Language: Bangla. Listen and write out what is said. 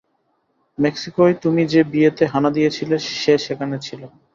মেক্সিকোয় তুমি যে বিয়েতে হানা দিয়েছিলে সে সেখানে ছিল।